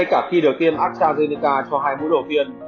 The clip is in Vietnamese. vắc xin astrazeneca cho hai mũi đầu tiên